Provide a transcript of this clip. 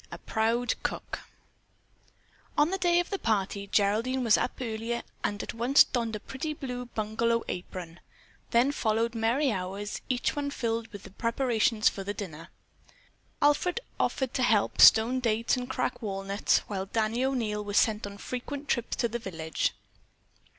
A PROUD COOK On the day of the party Geraldine was up early and at once donned a pretty blue bungalow apron. Then followed merry hours, each one filled with preparations for the dinner. Alfred offered to help stone dates and crack walnuts, while Danny O'Neil was sent on frequent trips to the village.